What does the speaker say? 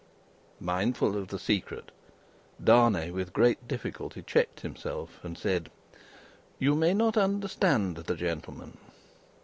Mindful of the secret, Darnay with great difficulty checked himself, and said: "You may not understand the gentleman."